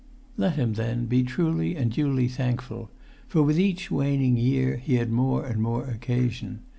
Let him then be truly and duly thankful; for with each waning year he had more and more occasion.